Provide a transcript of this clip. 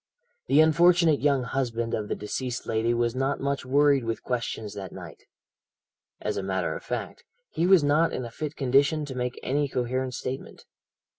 "The unfortunate young husband of the deceased lady was not much worried with questions that night. As a matter of fact, he was not in a fit condition to make any coherent statement.